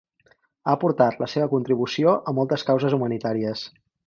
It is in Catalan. Ha aportat la seva contribució a moltes causes humanitàries.